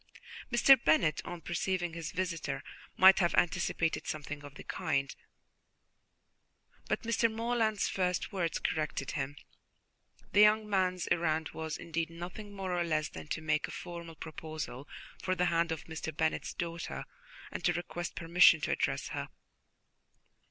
Mr. Bennet, on perceiving his visitor, might have anticipated something of the kind, but Mr. Morland's first words corrected him. The young man's errand was indeed nothing more or less than to make a formal proposal for the hand of Mr. Bennet's daughter and to request permission to address her.